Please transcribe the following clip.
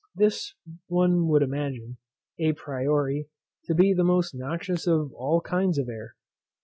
This, one would imagine, à priori, to be the most noxious of all kinds of air.